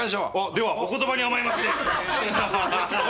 ではお言葉に甘えまして！